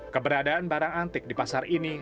keberadaan barang antik di pasar ini